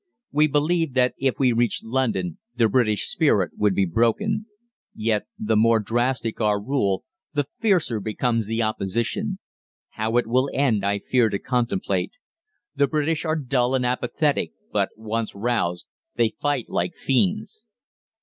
We believed that if we reached London the British spirit would be broken. Yet the more drastic our rule, the fiercer becomes the opposition. How it will end I fear to contemplate. The British are dull and apathetic, but, once roused, they fight like fiends.